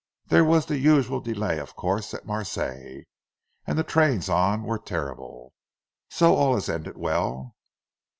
"There was the usual delay, of course, at Marseilles, and the trains on were terrible. So all has ended well."